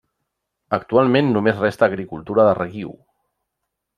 Actualment només resta agricultura de reguiu.